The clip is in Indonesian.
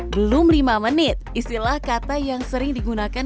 belum lima menit istilah kata yang sering digunakan